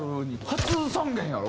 初３弦やろ？